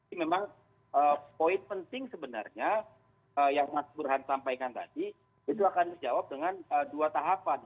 ini memang poin penting sebenarnya yang mas burhan sampaikan tadi itu akan dijawab dengan dua tahapan